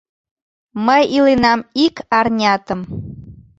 Мый иленам ик арнятым